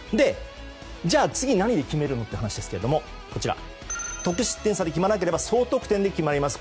じゃあ次何で決めるのという話ですが得失点差で決まらなければ総得点で決まります。